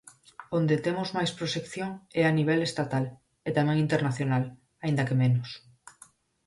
Onde temos máis proxección é a nivel estatal, e tamén internacional, aínda que menos.